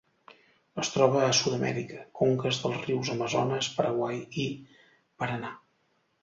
Es troba a Sud-amèrica: conques dels rius Amazones, Paraguai i Paranà.